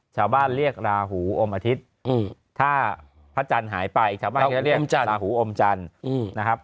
ชาวบ้านเรียกราหูอมอาทิตย์ถ้าพระจันทร์หายไปชาวบ้านเรียกราหูอมจันทร์นะครับ